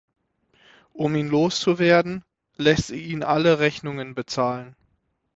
Um ihn loszuwerden, lässt sie ihn alle Rechnungen bezahlen.